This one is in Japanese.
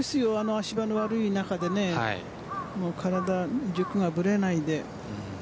足場の悪い中で体の軸がぶれないで。